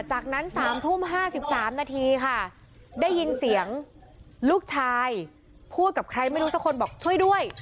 จากนั้น๓ทุ่ม๕๓นาทีค่ะได้ยินเสียงลูกชายพูดกับใครไม่รู้สักคนบอกช่วยด้วย